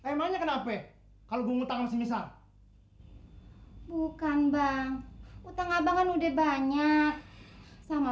emangnya kenapa kalau gue ngutang sama si misal bukan bang utang abang kan udah banyak sama